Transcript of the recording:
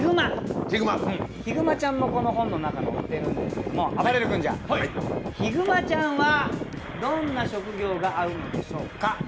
ヒグマちゃんもこの本の中に載っているんですけど、ヒグマちゃんはどんな職業が合うんでしょうか？